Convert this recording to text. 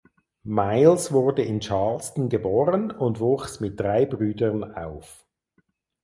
Miles wurde in Charleston geboren und wuchs mit drei Brüdern auf.